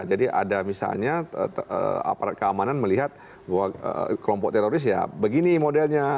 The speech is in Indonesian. jadi ada misalnya aparat keamanan melihat kelompok teroris ya begini modelnya